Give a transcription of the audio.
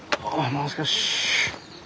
もう少し。